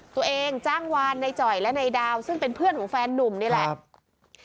ตัวเองจ้างวานในจ่อยและนายดาวซึ่งเป็นเพื่อนของแฟนนุ่มนี่แหละ